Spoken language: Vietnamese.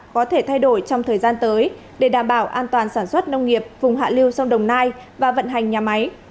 có thể thay đổi trong thời gian tới để đảm bảo an toàn sản xuất nông nghiệp vùng hạ liêu sông đồng nai và vận hành nhà máy